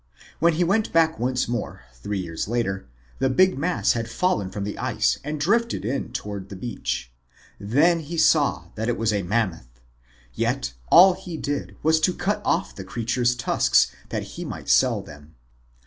When he went back once more, three years later, the big mass had fallen from the ice and drifted MAMMOTHS AND MASTODONS 125 in toward the beach. Then he saw that it was a Mammoth. Yet all he did was to cut off the crea ture's tusks that he might sell them.